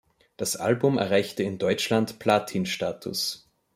Das Album erreichte in Deutschland Platinstatus.